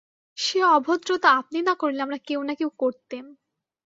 সে অভদ্রতা আপনি না করলে আমরা কেউ-না-কেউ করতেম।